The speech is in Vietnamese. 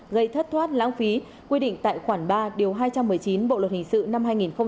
gây thất thoát lãng phí quy định tại khoản ba điều hai trăm một mươi chín bộ luật hình sự năm hai nghìn một mươi năm